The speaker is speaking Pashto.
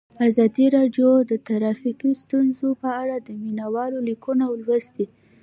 ازادي راډیو د ټرافیکي ستونزې په اړه د مینه والو لیکونه لوستي.